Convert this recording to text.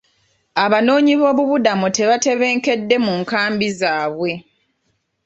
Abanoonyiboobubudamu tebatebenkedde mu nkambi zaabwe.